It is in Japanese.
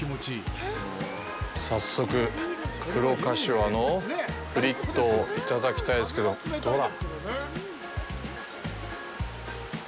早速、黒かしわのフリットをいただきたいですけども、どうだ？